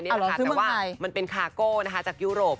แต่ว่ามันเป็นคาโก้จากยุโรป